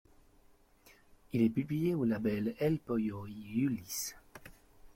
Il est publié au label El Poyo y Ulises.